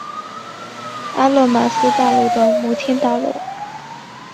阿勒玛斯大楼的摩天大楼。